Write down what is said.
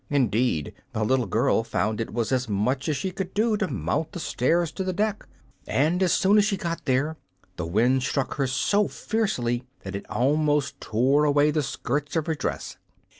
Indeed, the little girl found it was as much as she could do to mount the stairs to the deck, and as soon as she got there the wind struck her so fiercely that it almost tore away the skirts of her dress.